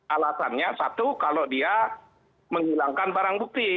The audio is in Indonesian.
alasannya satu kalau dia menghilangkan barang bukti